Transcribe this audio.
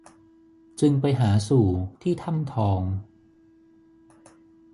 จึงไปหาสู่ที่ถ้ำทอง